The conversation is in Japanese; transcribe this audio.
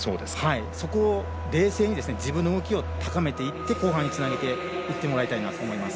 そこを冷静に自分の動きを高めていって後半につなげていってもらいたいと思います。